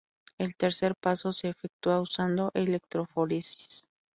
El tercer paso se efectúa usando electroforesis.